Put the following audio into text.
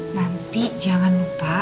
nanti jangan lupa